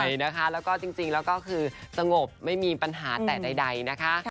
อยากไม่ได้รู้สึกว่ามันเป็นประวัติศาสนธาเนี่ยก็ไปวัดธวรรค์ด้วยค่ะ